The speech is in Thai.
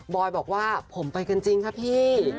อยบอกว่าผมไปกันจริงครับพี่